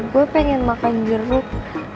gue pengen makan jeruk